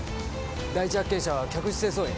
第一発見者は客室清掃員。